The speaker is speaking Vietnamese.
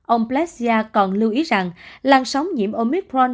ông plessia còn lưu ý rằng làn sóng nhiễm omicron